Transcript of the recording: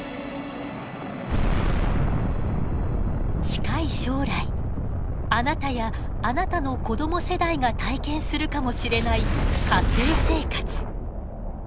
近い将来あなたやあなたの子供世代が体験するかもしれない火星生活。